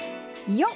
いよ！